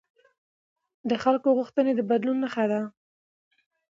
د خلکو غوښتنې د بدلون نښه ده